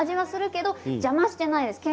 けんかをしていないです。